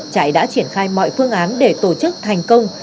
trại đã triển khai mọi phương án để tổ chức thành công